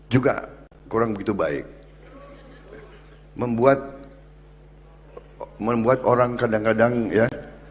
juga kurang begitu baik membuat membuat orang kadang kadang ya